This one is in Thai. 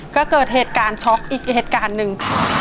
ก็เกิดเหตุการณ์ช็อกอีกเหตุการณ์หนึ่ง